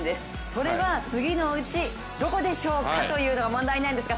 それは、次のうち、どこでしょうかというのが問題です。